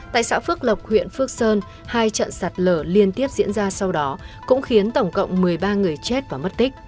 tại xã phước lộc huyện phước sơn hai trận sạt lở liên tiếp diễn ra sau đó cũng khiến tổng cộng một mươi ba người chết và mất tích